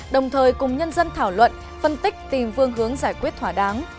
đồng thời cùng nhân dân thảo luận phân tích tìm phương hướng giải quyết thỏa đáng